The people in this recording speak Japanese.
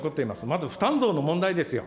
まず負担増の問題ですよ。